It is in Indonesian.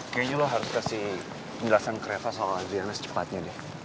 kayanya lo harus kasih penjelasan ke reva soal adriana secepatnya deh